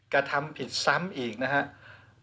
กระทำผิดซ้ำอีกนะครับ